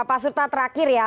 pak surta terakhir ya